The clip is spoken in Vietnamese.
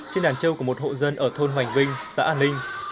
trên đàn trâu của một hộ dân ở thôn hoành vinh xã an ninh